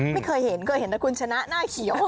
ไม่เคยเห็นเคยเห็นแต่คุณชนะหน้าเขียว